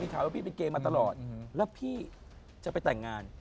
ข่าวว่าพี่เป็นเกย์มาตลอดแล้วพี่จะไปแต่งงาน